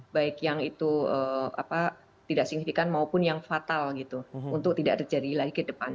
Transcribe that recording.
baik yang itu tidak signifikan maupun yang fatal gitu untuk tidak terjadi lagi ke depan